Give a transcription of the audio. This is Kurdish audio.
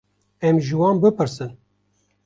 Em ji wan bipirsin.